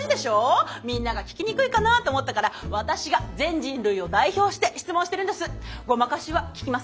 みんなが聞きにくいかなと思ったから私が全人類を代表して質問してるんです。